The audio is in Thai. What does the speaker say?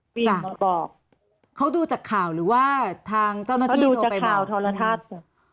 พี่น้องบอกเขาดูจากข่าวหรือว่าทางเจ้าหน้าที่โทรไปบอกเขาดูจากข่าวทรทัศน์